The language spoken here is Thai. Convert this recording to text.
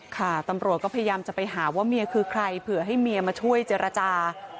ค่ะตำรวจก็พยายามจะไปหาว่าเมียคือใครเผื่อให้เมียมาช่วยเจรจา